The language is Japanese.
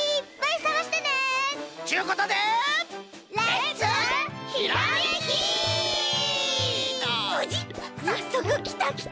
さっそくきたきた。